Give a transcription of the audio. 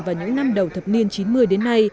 vào những năm đầu thập niên chín mươi đến nay